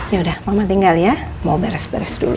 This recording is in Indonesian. yaudah mama tinggal ya mau beres beres dulu